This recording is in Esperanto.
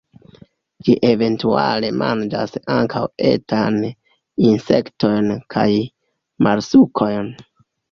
Ĝi eventuale manĝas ankaŭ etajn insektojn kaj moluskojn.